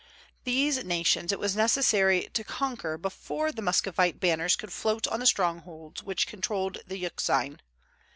These nations it was necessary to conquer before the Muscovite banners could float on the strongholds which controlled the Euxine.